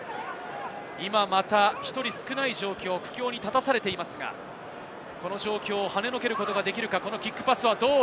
今また１人少ない状況、苦境に立たされていますが、この状況をはねのけることができるか。